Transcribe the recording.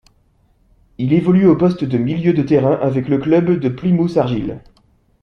Il évolue au poste de milieu de terrain avec le club de Plymouth Argyle.